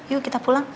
yuk kita pulang